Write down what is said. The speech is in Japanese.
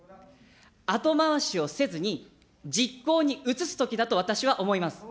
後回しをせずに、実行に移すときだと私は思います。